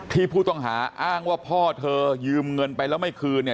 ผู้ต้องหาอ้างว่าพ่อเธอยืมเงินไปแล้วไม่คืนเนี่ย